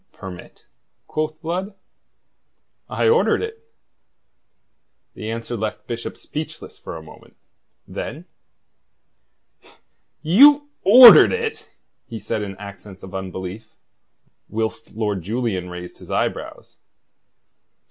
"Permit?" quoth Blood. "I ordered it." The answer left Bishop speechless for a moment. Then: "You ordered it?" he said in accents of unbelief, whilst Lord Julian raised his eyebrows.